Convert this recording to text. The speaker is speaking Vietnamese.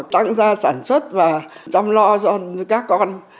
tăng ra sản xuất và chăm lo cho các con